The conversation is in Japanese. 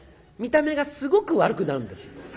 見た目がすごく悪くなるんですよ。